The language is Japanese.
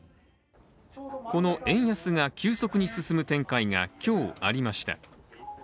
この円安が、急速に進む展開が今日ありました。